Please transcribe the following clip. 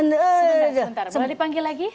sebentar sebentar boleh dipanggil lagi